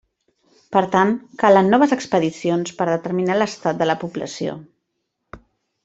Per tant, calen noves expedicions per a determinar l'estat de la població.